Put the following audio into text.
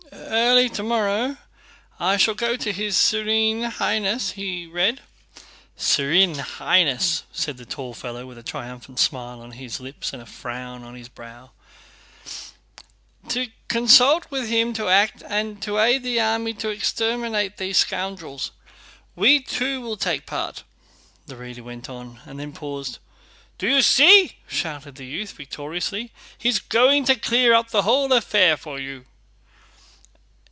"Early tomorrow I shall go to his Serene Highness," he read ("Sirin Highness," said the tall fellow with a triumphant smile on his lips and a frown on his brow), "to consult with him to act, and to aid the army to exterminate these scoundrels. We too will take part..." the reader went on, and then paused ("Do you see," shouted the youth victoriously, "he's going to clear up the whole affair for you....")